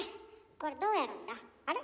これどうやるんだあれ？